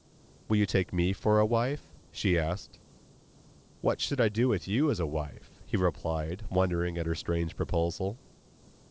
'Will you take me for a wife?' she asked. 'What should I do with you as a wife,' he replied, wondering at her strange proposal.